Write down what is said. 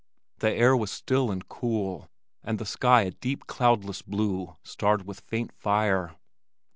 The air was still and cool, and the sky a deep cloudless blue starred with faint fire.